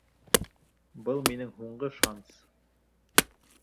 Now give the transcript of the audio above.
Был минең һуңғы шанс!